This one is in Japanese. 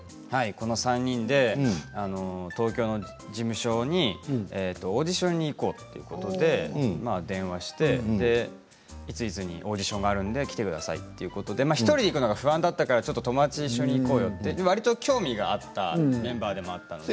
３人で東京の事務所にオーディションに行こうということで、電話していついつにオーディションがあるんで来てくださいということで１人で行くのが不安だったから友達と、一緒に行こうよとわりと興味があったメンバーでもあったので。